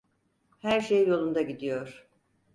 Her şey yolunda gidiyor.